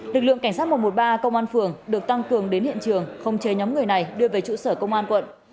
lực lượng cảnh sát một trăm một mươi ba công an phường được tăng cường đến hiện trường không chế nhóm người này đưa về trụ sở công an quận